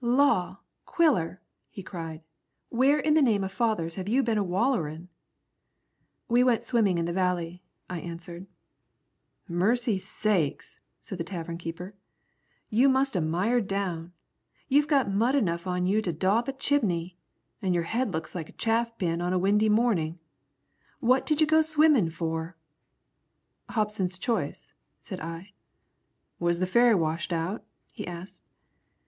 "Law! Quiller," he cried, "where in the name o' fathers have you been a wallerin'?" "We went swimming in the Valley," I answered. "Mercy sakes!" said the tavern keeper, "you must a mired down. You've got mud enough on you to daub a chimney, an' your head looks like a chaff pen on a windy mornin'. What did you go swimmin' for?" "Hobson's choice," said I. "Was the ferry washed out?" he asked.